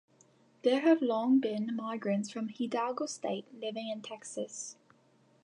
There have long been migrants from Hidalgo state living in Texas.